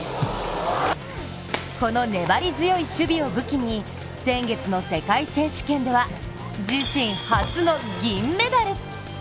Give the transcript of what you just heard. この粘り強い守備を武器に先月の世界選手権では自身初の銀メダル。